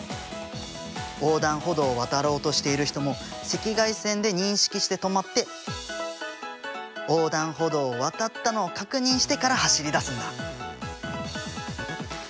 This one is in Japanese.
横断歩道を渡ろうとしている人も赤外線で認識して止まって横断歩道を渡ったのを確認してから走り出すんだ。